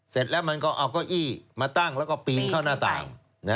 เสร็จแล้วมันก็เอาเก้าอี้มาตั้งแล้วก็ปีนเข้าหน้าต่าง